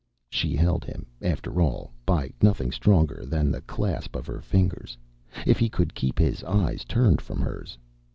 She held him, after all, by nothing stronger than the clasp of her fingers, if he could keep his eyes turned from hers.